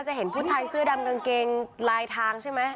เห็นผู้ชายเสื้อดำกางเกงลายทางใช่ไหม